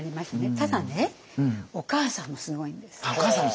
ただねお母さんもすごいんです。